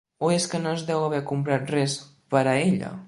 O és que no es deu haver comprat res, per a ella?